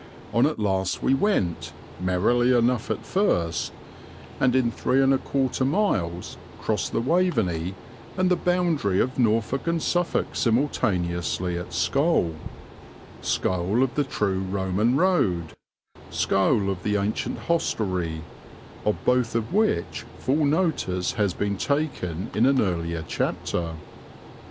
On at last we went, merrily enough at first, and in 3 1/4 miles crossed the Waveney and the boundary of Norfolk and Suffolk simultaneously at Scole; Scole of the true Roman road, Scole of the ancient hostelry, of both of which full notice has been taken in an earlier chapter.